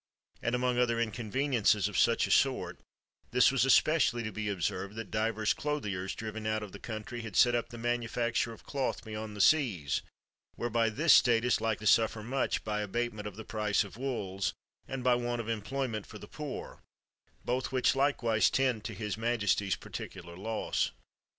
And, among other inconveniences of such a sort, this was especially to be observed, that divers cloth iers, driven out of the country, had set up the manufacture of cloth beyond the seas; whereby this state is like to suffer much by abatement of the price of wools, and by want of employment for the poor; both which likewise tend to his majesty's particular loss.